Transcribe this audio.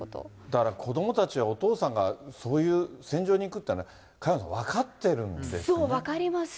だから子どもたち、お父さんがそういう戦場に行くっていうのは、萱野さん、そう、分かります。